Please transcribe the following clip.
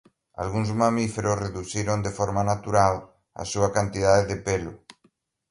Algúns mamíferos reduciron de forma natural a súa cantidade de pelo.